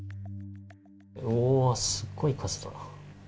おー、すごい数だ。